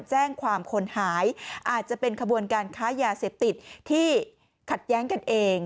แจ้งความคนหายอาจจะเป็นขบวนการค้ายาเสพติดที่ขัดแย้งกันเอง